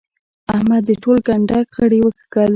احمد د ټول کنډک غړي وکښل.